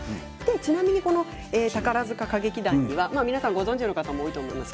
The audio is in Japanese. ちなみに宝塚歌劇団には皆さんご存じの方も多いと思います。